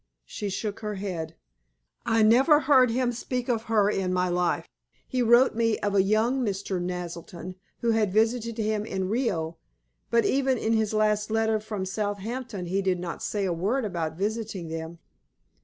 She shook her head. "I never heard him speak of her in my life. He wrote me of a young Mr. Naselton who had visited him in Rio, but even in his last letter from Southampton he did not say a word about visiting them.